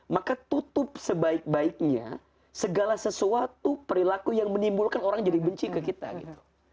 maka tutup sebaik baiknya segala sesuatu perilaku yang menimbulkan orang jadi benci ke kita gitu